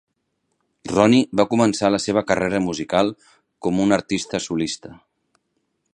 Ronnie va començar la seva carrera musical com un artista solista.